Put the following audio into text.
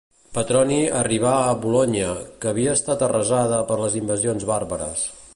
Petroni arribà a Bolonya, que havia estat arrasada per les invasions bàrbares.